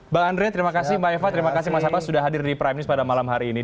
bang andre terima kasih mbak eva terima kasih mas abbas sudah hadir di prime news pada malam hari ini